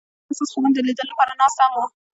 هغوی د حساس خوبونو د لیدلو لپاره ناست هم وو.